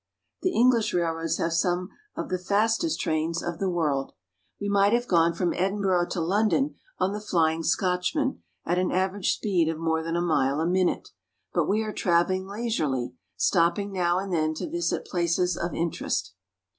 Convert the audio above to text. The English railroads have some of the fastest trains of 5o ENGLAND. the world. We might have gone from Edinburgh to London on the " Flying Scotchman," at an average speed of more than a mile a minute ; but we are traveling leisurely, stopping now and then to visit places of interest.